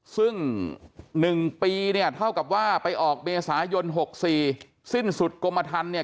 ซึ่ง๑ปีเนี่ยเท่ากับว่าไปออกเมษายน๖๔สิ้นสุดกรมทันเนี่ย